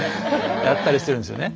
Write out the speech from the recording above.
やったりしてるんですよね。